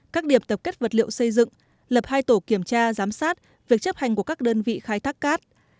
các điểm tập kết vật liệu xây dựng lập hai tổ kiểm tra giám sát việc chấp hành của các đơn vị khai thác cát